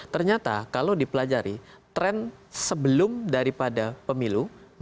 ternyata kalau dipelajari tren sebelum daripada pemilu